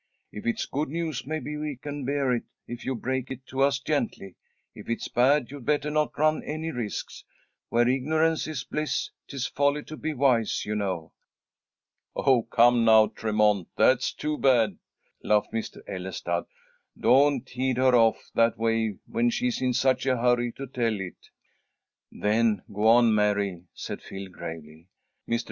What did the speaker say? If it's good news, maybe we can bear it, if you break it to us gently. If it's bad, you'd better not run any risks. 'Where ignorance is bliss, 'tis folly to be wise,' you know." "Oh, come now, Tremont, that's too bad," laughed Mr. Ellestad. "Don't head her off that way when she's in such a hurry to tell it." "Then go on, Mary," said Phil, gravely. "Mr.